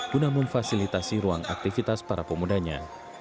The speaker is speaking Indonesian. guna memfasilitasi ruang aktivitas para pemudanya